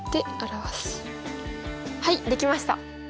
はいできました。